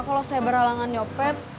kalau saya beralangan nyopet